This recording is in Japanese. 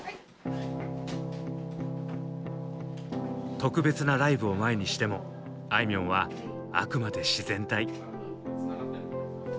特別なライブを前にしてもあいみょんはあくまで自然体。